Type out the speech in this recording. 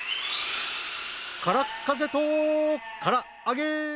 からっかぜとからっあげ！